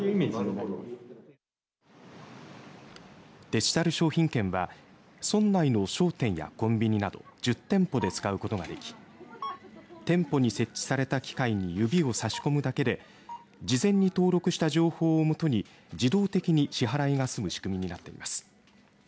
デジタル商品券は村内の商店やコンビニなど１０店舗で使うことができ店舗に設置された機械に指を差し込むだけで事前に登録した情報をもとに自動的に支払いが済む仕組みになっています。